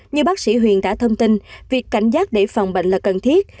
như bác sĩ huyền đã thông tin việc cảnh giác để phòng bệnh là cần thiết